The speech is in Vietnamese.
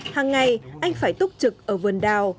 hằng ngày anh phải túc trực ở vườn đào